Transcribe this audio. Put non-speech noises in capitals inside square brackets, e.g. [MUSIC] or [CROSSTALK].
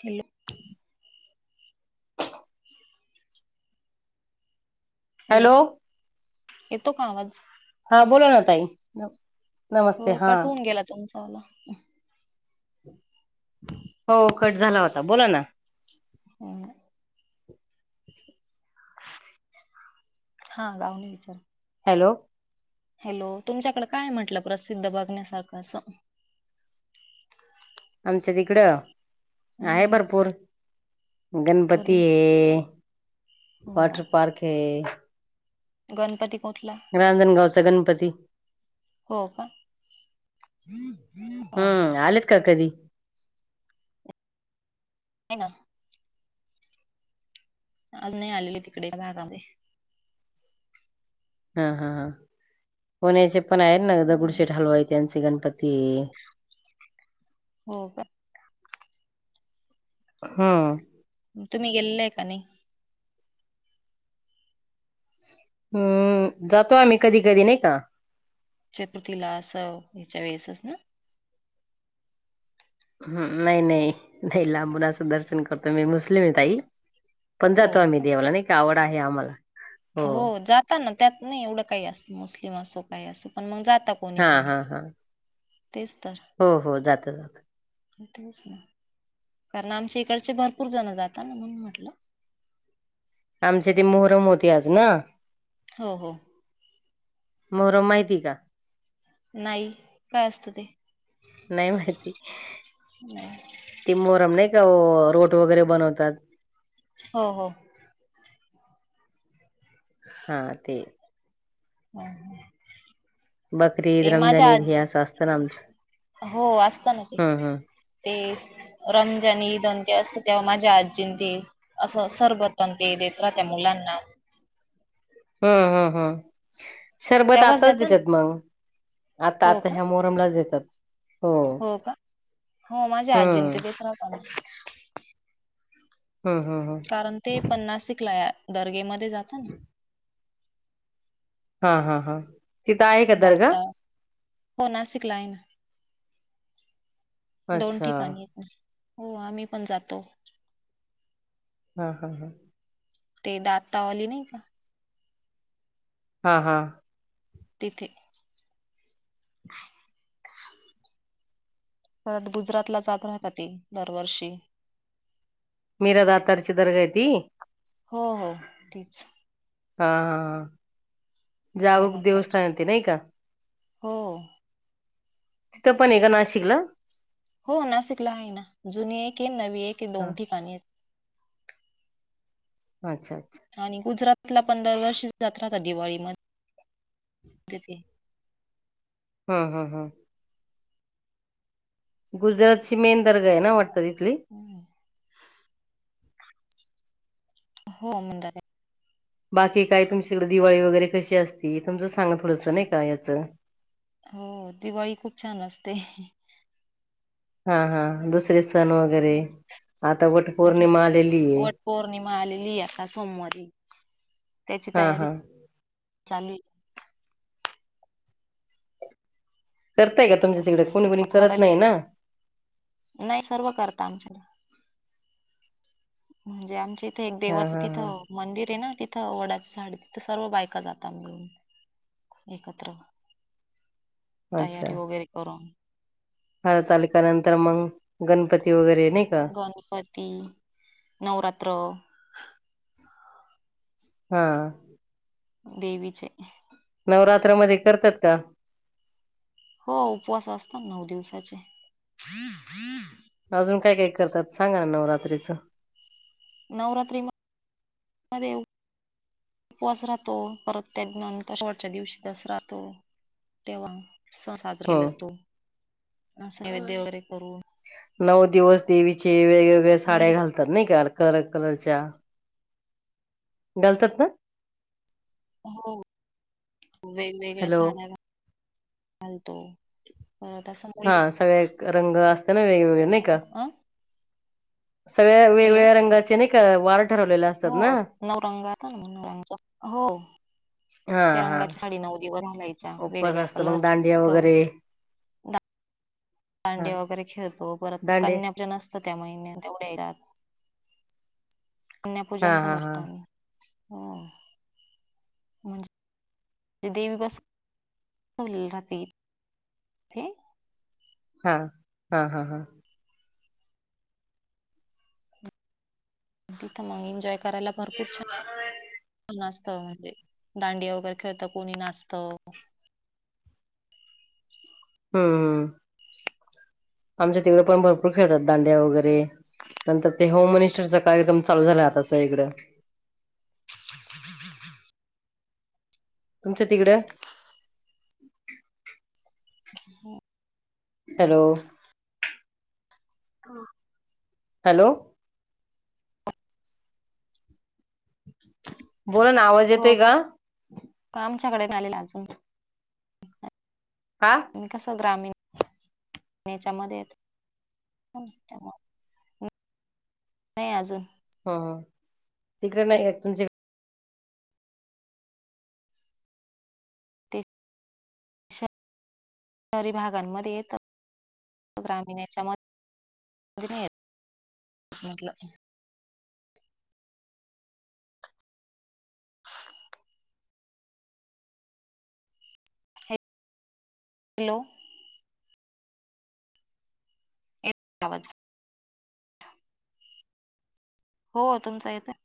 Hello. Hello, येतो का आवाज हा बोला ना ताई. हो नमस्ते हा कट होवून गेला तुमचावाला. हो कट झाला होता, बोला ना. हा. हा गाऊणे विचारा. हॅलो. हॅलो, तुमच्याकडे काय हाय म्हंटलं प्रसिद्ध बघण्यासारखं असं? आमच्या तिकडं आहे हम्म भरपूर गण तरी हो हो गणपती कोठला रांजणगावचा गणपती. हो का? हो हो हम्म आलेत का कधी? आहे ना अजुन नाही आलेले तिकडे त्या भागामध्ये हा हा हा पुण्याचे पण आहेत ना हम्म दगुडशेठ हलवाई त्यांचे गणपती ते हो का हम्म तुम्ही गेलेलाय का नाही? हम्म जातो आम्ही कधी कधी नाही का. चतुर्थीला अस ह्याच्या वेळेसचं ना हम्म नाही नाही नाही लांबुन असं दर्शन करतो, मी मुस्लिम आहे ताई. पण हो जातो आम्ही देवाला नाही का आवड आहे आम्हाला. हो जाता ना त्यात नाही एवढं काही असं मुस्लिम असं काही असो पण मग जात हा हा हा तेच तर हो हो जातो जातो. तेच ना कारण आमच्या इकडचे भरपूर जण जातात ना म्हणून म्हटलं. आमची ती मोहरम होती आज ना. हो हो. मोर माहिती का. नाही काय असत ते. नाही माहिती नाही ती मोरम नाही. रोट वगैरे बनवतात. हो हो. हा ते. हम् हम. खरीद रम जनी धिया शास्त्रम. हो असत ना ते ते रमजान ईदन ते अस. तेव्हा माझ्या आजीं ते असं सरबत ते देत राह त्या मुलांना. हम्म हम्म हम्. शरबत तेव्हाच आताच देता ना देतात मग आता हो आता का ह्या मोहरमलाच देतात. हो का हो माझ्या हम्म आजींंत तेच राहताना. हम्म हम्म हम् कारण ते पन्नासिकला दर्गेमध्ये जात ना. हा हा हा तिथं आहे का दर्गा. दाता हो नासिक ला आहेन. दोन अच्छा ठिकाणी हो आम्ही पण जातो. हम्म हम् हम्. ते दातावाली नाही का.. हा हा. तिथे.. पर गुजरातला जात राहतातील दरवर्षी. मरदा तरीचि तरगायती. हो हो ठीच. हा हा मीरा जागृूक दातार देवस्थान ते नाही का. हो. तिथं पण आहे का नाशिकला. हो नाशिकला आहे ना जुनी आहे की नवी आहे की हा दोन ठिकाणी आहेत. अच्छा अच्छा आणि गुजरातला पंधर वर्ष जात्राता दिवाळी.. ेते.. हा, हा, हा. गुजरात ची मेन दर्गा आहे ना वाटत ती. हम्म. [INAUDIBLE] हो म्हंदारे. बाकी काय तुमच्याकडे दिवाळी वगैरे कशी असती. तुमचं सांगा थोडंसं नाही का याचं. हो दिवाळी खूप छान असते. [INAUDIBLE] हा, हा दुसरे सण वगैरे. आता वट [INAUDIBLE] वट्स पौर्णिमा आलेली आहे. वट पौर्णिमा आलेली आहे अता सोमवारी त्याची हा तयारी हा [INAUDIBLE] चालूये. करताय का वट तुमच्या तिकडे? पौर्णिमेची कोणी-कोणी करत हरली नाही ना. नाही सर्व करता आमच्याकडे. म्हणजे आमच्या इथे एक हा देवाचं हा तिथं हा मंदिर आहे ना ति थ वडाच झाड आहे. तिथं सर्व बायका जातो आम्ही एकत्र. तयारी वगैरे करून. हरतालिका नंतर मग गणपती वगैरे नाही का? गणपती, नवरात्र हा. देवीचे नवरात्रामध्ये करतात का? हो उपवास असतो नऊ दिवसाचा. अजून काय काय करतात सांगा नवरात्रीचं. नवरात्री म-मधे उपवास राहतो परत त्यातन त्या शेवटच्या दिवशी दस राहतो तेव्हा उत्सव साजरा केला हं. जातो. नैवेद्य वगैरे करून. नऊ दिवस देवीचे वेगवेगळ्या साड्या मुली घालतात नाही का? कलर कलरच्या घालतात ना? [INAUDIBLE] हो [INAUDIBLE] वेगवेगळ्या हॅलो सणाला घालतो. परत असं मुली हा सगळे एक रंग असते ना वेगवेगळे नाही का? अ सगळ्या हॅलो वेगवेगळ्या रंगाचे नाही का वार ठरवलेले असतात हो ना नवरंगता [UNINTELLIGIBLE] हो. हा त्या हा रंगाच्या साडी नऊ दिवस घालायची. उपवास असतो मग दांडिया वगैरे हा दांडीया वगैरे खेळतो परत दांडिया कन्या आप नसतं त्या महिन्या तेवढ हेज्यात. कन्या हा पूजन पण हा हा असतं. हो. म्हनजे [INAUDIBLE] देवी बसली [UNINTELLIGIBLE] राहते काय? हा, हा, हा, हा. तिथं मग एन्जॉय करायला भरपूर छान [INAUDIBLE] असं म्हणजे दांडिया वगैरे खेळत कोणी नाचत [INAUDIBLE] हम्म. आमच्या तिकडं पण भरपूर खेळतात दांड्या वगैरे नंतर ते होम मिनिस्टरचा कार्यक्रम चालू झाला आता सगळीकडं. [INAUDIBLE] तुमच्या तिकडं? [INAUDIBLE] हॅलो. हा. हॅलो. [INAUDIBLE] बोला ना आवाज येतोय का? [INAUDIBLE] सगळ्यात आलेलं अजून हा [INAUDIBLE] आणि कस ग्रामीण [INAUDIBLE] याच्यामध्ये येतंय त्यामुळं [INAUDIBLE] नाही अजून. ह तिकडे नाही तुमचे ते शहरी भागांमध्ये येत ग्रामीण याचा मध्ये नाही येत म्हणल. हॅलो आवाज हो तुमच येतय.